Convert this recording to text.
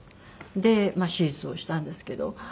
で手術をしたんですけど。